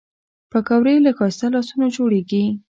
پکورې له ښایسته لاسونو جوړېږي